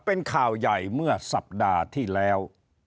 เป็นข่าวใหญ่เมื่อสัปดาห์ที่แล้ว